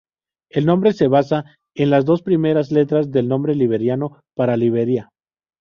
El nombre se basa en las dos primeras letras del nombre liberiano para Liberia.